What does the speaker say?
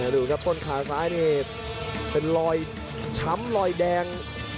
ดูครับต้นขาซ้ายนี่เป็นรอยช้ำรอยแดง